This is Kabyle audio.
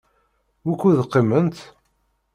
Wukud qiment?